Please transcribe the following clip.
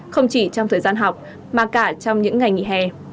không chỉ trong thời gian học mà cả trong những ngày nghỉ hè